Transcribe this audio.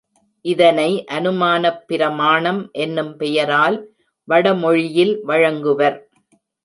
இதனை அனுமானப் பிரமாணம் என்னும் பெயரால் வடமொழியில் வழங்குவர்.